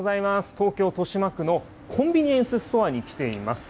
東京・豊島区のコンビニエンスストアに来ています。